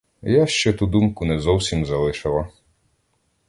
Я ще ту думку не зовсім залишила.